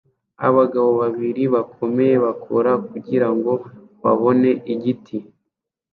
Abagabo babiri bakomeye bakora kugirango babone igiti